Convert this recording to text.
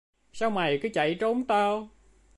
Sao mày cứ chạy trốn tao